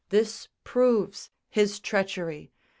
This proves His treachery!"